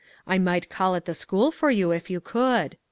I might call at the school for you if you could."